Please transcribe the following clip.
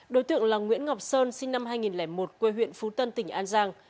đối tượng là nguyễn ngọc sơn sinh năm hai nghìn một quê huyện phú tân tỉnh an giang